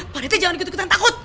pak rt jangan gitu gituan takut